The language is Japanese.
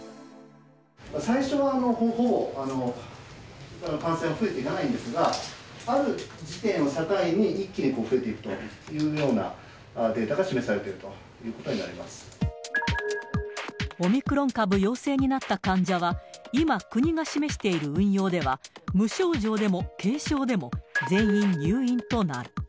最初は、ほぼほぼ感染は増えてないんですが、ある時点を境に、一気に増えていくというようなデータが示されているということにオミクロン株陽性になった患者は、今、国が示している運用では、無症状でも軽症でも、全員入院となる。